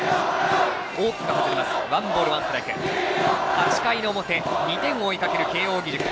８回の表、２点を追いかける慶応義塾。